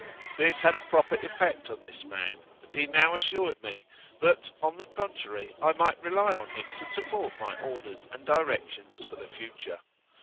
This had a proper effect on this man, and he now assured me that, on the contrary, I might rely on him to support my orders and directions for the future.